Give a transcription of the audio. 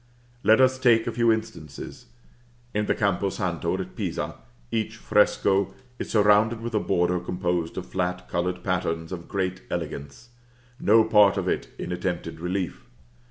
Let us take a few instances. In the Campo Santo at Pisa, each fresco is surrounded with a border composed of flat colored patterns of great elegance no part of it in attempted relief.